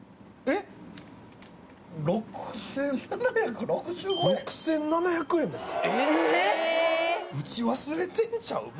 ６７６５円６７００円ですか？